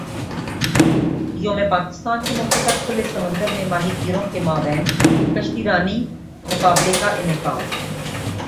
یوم پاکستان کے موقع پر کھلے سمندر میں ماہی گیروں کے مابین کشتی رانی مقابلے کا انعقاد